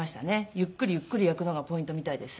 ゆっくりゆっくり焼くのがポイントみたいです。